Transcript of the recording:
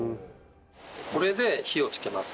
これで火をつけます。